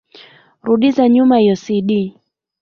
Rudiza nyuma iyo cd.